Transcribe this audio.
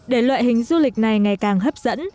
để loại hình du lịch này ngày càng hấp dẫn